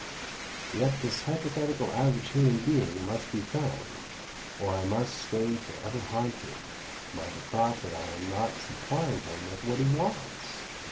Yet this hypothetical average human being must be found, or I must stay for ever haunted by the thought that I am not supplying him with what he wants!"